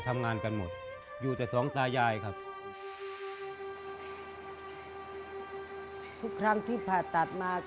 ทุกครั้งที่ผ่าตัดมา